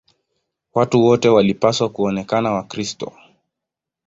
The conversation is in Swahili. Watu wote walipaswa kuonekana Wakristo.